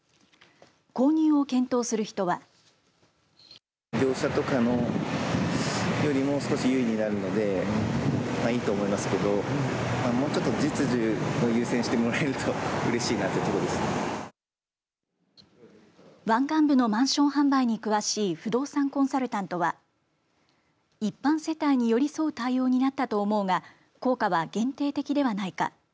購入を検討する人は湾岸部のマンション販売に詳しい不動産コンサルタントは一般世帯に寄り添う対応になったと思うが効果は限定的ではないか。